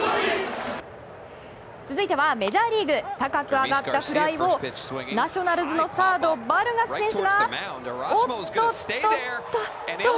続いてはメジャーリーグ高く上がったフライをナショナルズのサードバルガス選手がおっとっと。